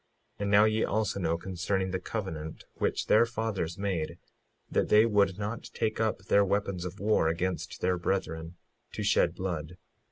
56:6 And now ye also know concerning the covenant which their fathers made, that they would not take up their weapons of war against their brethren to shed blood.